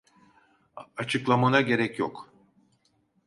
Açıklamana gerek yok.